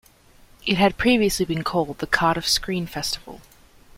It had previously been called the Cardiff Screen Festival.